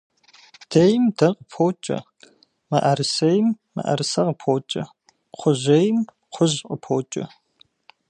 Дейм дэ къыпокӏэ, мыӏэрысейм мыӏэрысэ къыпокӏэ, кхъужьейм кхъужь къыпокӏэ.